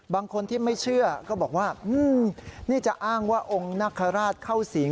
บางคนที่ไม่เชื่อก็บอกว่านี่จะอ้างว่าองค์นคราชเข้าสิง